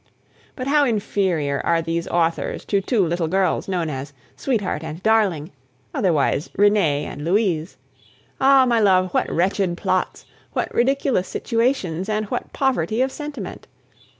But how inferior are these authors to two little girls, known as Sweetheart and Darling otherwise Renee and Louise. Ah! my love, what wretched plots, what ridiculous situations, and what poverty of sentiment!